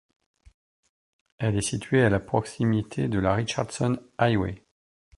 Elle est située à proximité de la Richardson Highway.